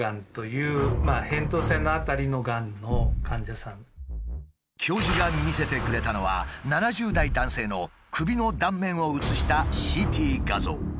さらに教授が見せてくれたのは７０代男性の首の断面を写したＣＴ画像。